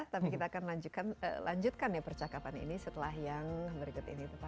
tapi kita akan lanjutkan ya percakapan ini setelah yang berikutnya